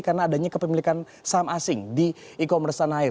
karena adanya kepemilikan saham asing di e commerce tanah air